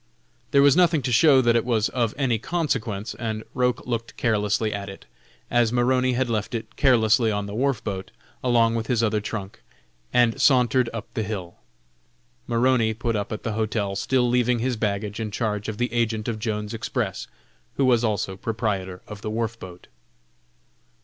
There was nothing to show that it was of any consequence, and Roch looked carelessly at it, as Maroney had left it carelessly on the wharf boat, along with his other trunk, and sauntered up the hill. Maroney put up at the hotel, still leaving his baggage in charge of the agent of Jones's Express, who was also proprietor of the wharf boat.